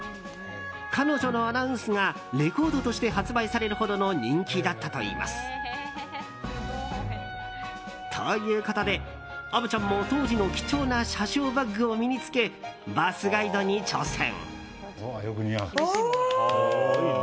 彼女のアナウンスがレコードとして発売されるほどの人気だったといいます。ということで、虻ちゃんも当時の貴重な車掌バッグを身に着けバスガイドに挑戦。